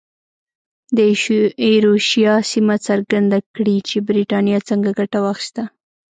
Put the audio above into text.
د ایروشیا سیمه څرګنده کړي چې برېټانیا څنګه ګټه واخیسته.